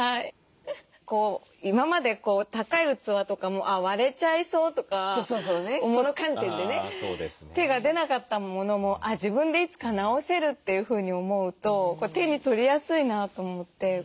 今まで高い器とかもあっ割れちゃいそうとか思って手が出なかったものも自分でいつか直せるというふうに思うと手に取りやすいなと思って。